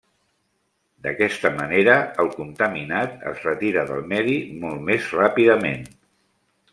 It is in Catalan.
D’aquesta manera el contaminat es retira del medi molt més ràpidament.